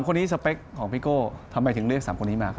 คนนี้สเปคของพี่โก้ทำไมถึงเลือก๓คนนี้มาครับ